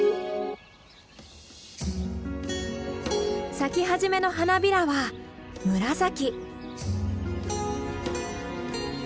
咲き始めの花びらは紫。